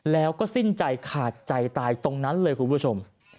แล้วก็สิ้นใจขาดใจตายตรงนั้นเลยคุณผู้ชม